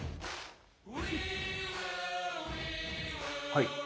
はい！